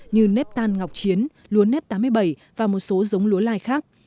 như nếp tan ngọc chiến lúa nếp tám mươi bảy và một số giống lúa lai khác